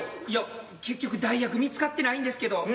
いや結局代役見つかってないんですけど。